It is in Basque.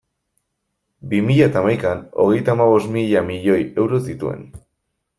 Bi mila eta hamaikan, hogeita hamabost mila milioi euro zituen.